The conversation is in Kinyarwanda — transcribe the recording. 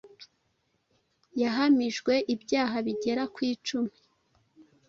yahamijwe ibyaha bigera kwicumi